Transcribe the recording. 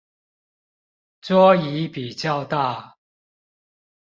桌椅比較大